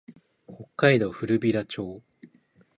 北海道古平町